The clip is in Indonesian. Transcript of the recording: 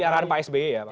ini arahan pak sbe ya pak